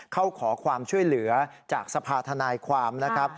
ขอความช่วยเหลือจากสภาธนายความนะครับ